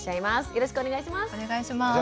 よろしくお願いします。